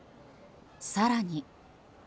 更に。